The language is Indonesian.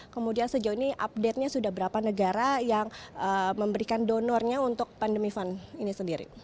kemudian sejauh ini update nya sudah berapa negara yang memberikan donornya untuk pandemi fund ini sendiri